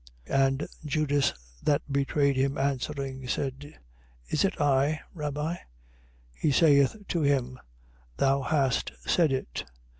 26:25. And Judas that betrayed him answering, said: Is it I, Rabbi? He saith to him: Thou hast said it.